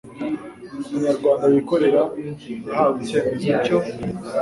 umunyarwanda wikorera yahawe icyemezo cyo